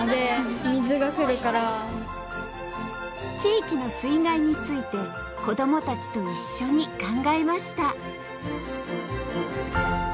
地域の水害について子供たちと一緒に考えました